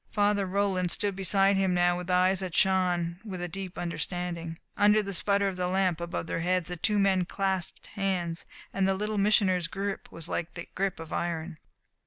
Father Roland stood beside him now with eyes that shone with a deep understanding. Under the sputter of the lamp above their heads the two men clasped hands, and the Little Missioner's grip was like the grip of iron.